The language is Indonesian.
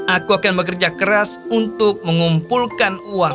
aku akan bekerja keras untuk mengumpulkan uang